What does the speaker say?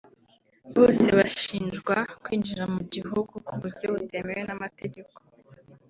bose bashinjwa kwinjira mu gihugu ku buryo butemewe n’amategeko